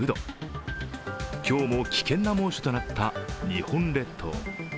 今日も危険な猛暑となった日本列島。